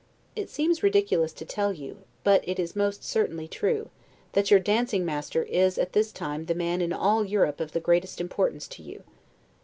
It seems ridiculous to tell you, but it is most certainly true, that your dancing master is at this time the man in all Europe of the greatest importance to you.